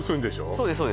そうです